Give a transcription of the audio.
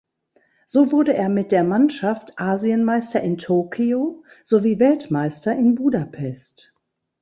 So wurde er mit der Mannschaft Asienmeister in Tokio sowie Weltmeister in Budapest.